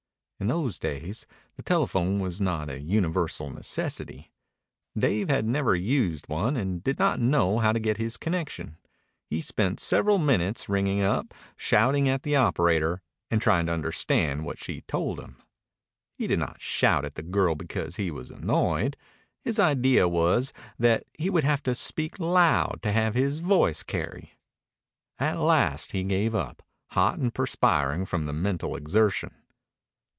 In those days the telephone was not a universal necessity. Dave had never used one and did not know how to get his connection. He spent several minutes ringing up, shouting at the operator, and trying to understand what she told him. He did not shout at the girl because he was annoyed. His idea was that he would have to speak loud to have his voice carry. At last he gave up, hot and perspiring from the mental exertion.